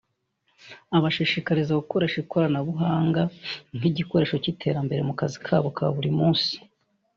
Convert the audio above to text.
abashishikariza gukoresha ikoranabuhanga nk’igikoresho cy’iterambere mu kazi kabo ka buri munsi